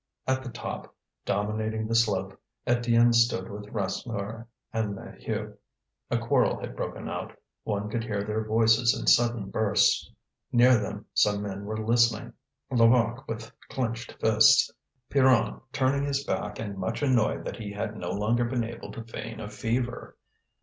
At the top, dominating the slope, Étienne stood with Rasseneur and Maheu. A quarrel had broken out, one could hear their voices in sudden bursts. Near them some men were listening: Levaque, with clenched fists; Pierron, turning his back and much annoyed that he had no longer been able to feign a fever.